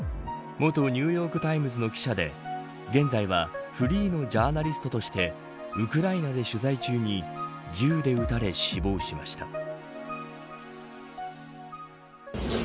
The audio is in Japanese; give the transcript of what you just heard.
元ニューヨーク・タイムズの記者で現在はフリーのジャーナリストとしてウクライナで取材中に銃で撃たれ死亡しました。